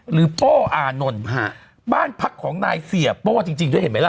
โป้อานนท์บ้านพักของนายเสียโป้จริงด้วยเห็นไหมล่ะ